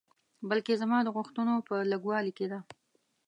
بلکې زما د غوښتنو په لږوالي کې ده.